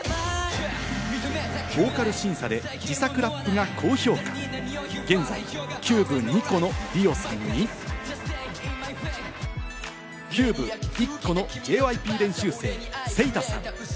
ボーカル審査で自作ラップが好評、現在キューブ２個のリオさんに、キューブ１個のＪＹＰ練習生・セイタさん。